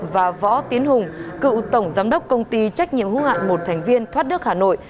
và võ tiến hùng cựu tổng giám đốc công ty trách nhiệm hữu hạn một thành viên thoát nước hà nội